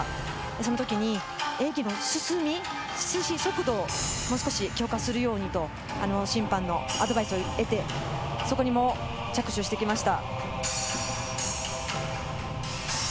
その時に演技の進み、進む速度を強化するようにと、審判のアドバイスを得て、そこにも着手してきました。